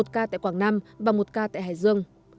một ca tại quảng nam và một ca tại hải dương